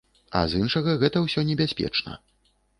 А з іншага, гэта ўсё небяспечна.